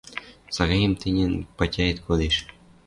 — Сагаэм тӹньӹн патяэт кодеш.